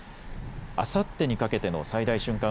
あさってにかけての最大瞬間